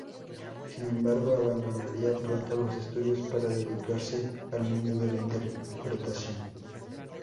Sin embargo, abandonaría pronto los estudios para dedicarse al mundo de la interpretación.